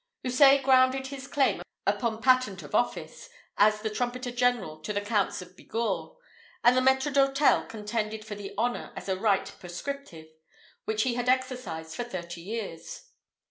Houssaye grounded his claim upon patent of office, as the trumpeter general to the Counts of Bigorre; and the maître d'hôtel, contended for the honour as a right prescriptive, which he had exercised for thirty years.